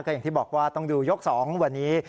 อย่างที่บอกว่าต้องดูยก๒วันนี้